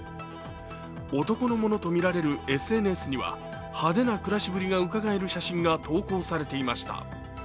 男のものとみられるＳＮＳには派手な暮らしぶりがうかがえる写真が投稿されていました。